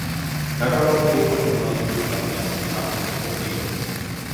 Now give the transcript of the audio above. დაკავებული იყო ჟურნალისტური საქმიანობით, გამოსცემდა წიგნებს.